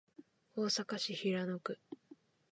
大阪市平野区